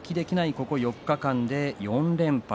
ここ４日間で４連敗。